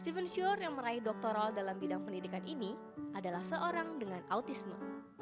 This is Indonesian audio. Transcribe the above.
steven show yang meraih doktoral dalam bidang pendidikan ini adalah seorang dengan autisme